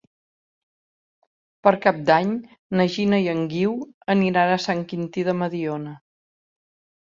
Per Cap d'Any na Gina i en Guiu aniran a Sant Quintí de Mediona.